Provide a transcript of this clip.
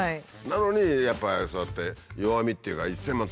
なのにやっぱそうやって弱みっていうか１，０００万